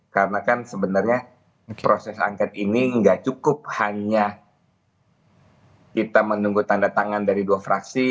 karena kan sebenarnya proses angket ini tidak cukup hanya kita menunggu tanda tangan dari dua fraksi